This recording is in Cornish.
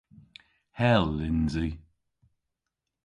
Hel yns i.